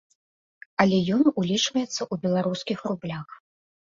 Але ён улічваецца ў беларускіх рублях.